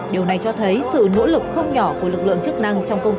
điều này cho thấy sự nỗ lực không nhỏ của lực lượng